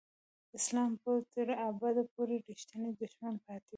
اسلام به تر ابده پورې رښتینی دښمن پاتې وي.